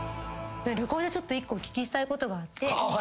旅行で１個お聞きしたいことがあって。